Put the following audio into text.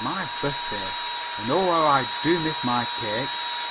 _ My birthday, and, oh, how I do miss my cake.